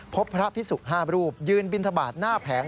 พบพระพิสุ๕รูปยืนบินทบาทหน้าแผง